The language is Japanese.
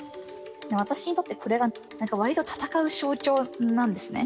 私にとってこれがわりと闘う象徴なんですね。